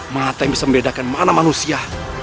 mata yang bisa membedakan mana manusia